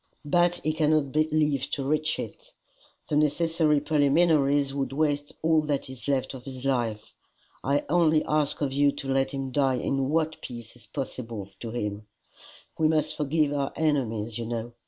"But he cannot live to reach it. The necessary preliminaries would waste all that is left of his life. I only ask of you to let him die in what peace is possible to him. We must forgive our enemies, you know.